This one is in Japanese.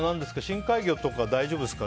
深海魚とか大丈夫ですか？